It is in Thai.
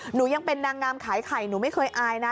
หนูยังเป็นนางงามขายไข่หนูไม่เคยอายนะ